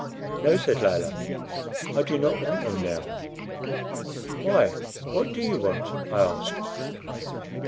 "No," said Layelah, "I do not want them now." "Why, what do you want?" I asked.